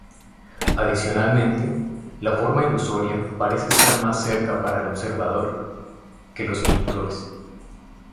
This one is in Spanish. Adicionalmente, la forma ilusoria parece estar más cerca para el observador que los inductores.